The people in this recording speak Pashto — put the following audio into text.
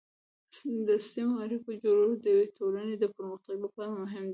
د سمو اړیکو جوړول د یوې ټولنې د پرمختګ لپاره مهم دي.